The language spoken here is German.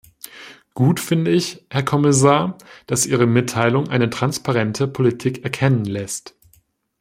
Gut finde ich, Herr Kommissar, dass Ihre Mitteilung eine transparente Politik erkennen lässt.